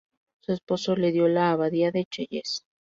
Su esposo le dio la Abadía de Chelles.